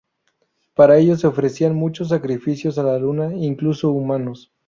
Para ello se ofrecían muchos sacrificios a la luna, incluso humanos.